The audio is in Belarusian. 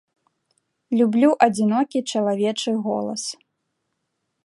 Люблю адзінокі чалавечы голас.